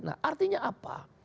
nah artinya apa